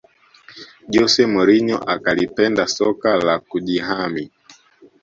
Jose Mourinho akalipenda soka la kujihami